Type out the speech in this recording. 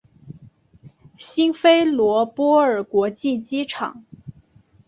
辛菲罗波尔国际机场。